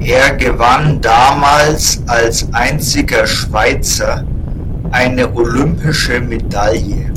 Er gewann damals als einziger Schweizer eine olympische Medaille.